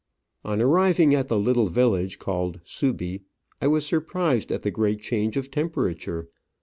On arriving at the little village called Subi, I was surprised at the great change of temperature.